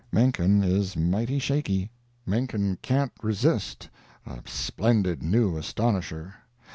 Menken is mighty shaky. Menken can't resist a splendid new astonisher.